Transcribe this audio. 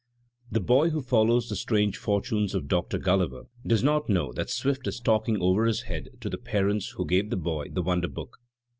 The boy who follows the strange fortunes of Doctor GuUiver does not know that Swift is talking over his head to the par ents who gave the boy the wonder book.